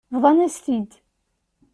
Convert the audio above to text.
Bḍan-as-t-id.